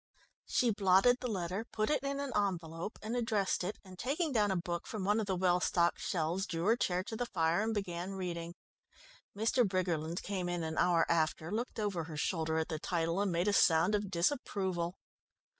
_" She blotted the letter, put it in an envelope, and addressed it, and taking down a book from one of the well stocked shelves, drew her chair to the fire, and began reading. Mr. Briggerland came in an hour after, looked over her shoulder at the title, and made a sound of disapproval.